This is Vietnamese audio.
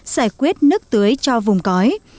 giải quyết nước tưới cho vùng cõi